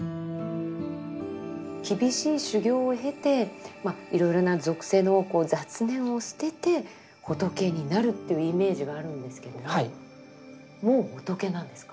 厳しい修行を経ていろいろな俗世のこう雑念を捨てて仏になるというイメージがあるんですけれどももう仏なんですか？